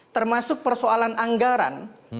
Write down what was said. termasuk persoalan anggaran